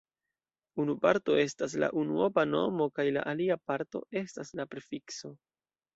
Unu parto estas la unuopa nomo kaj la alia parto estas la prefikso.